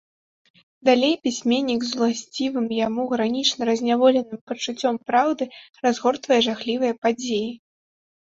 Далей пісьменнік з уласцівым яму гранічна разняволеным пачуццём праўды разгортвае жахлівыя падзеі.